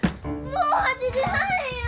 もう８時半や！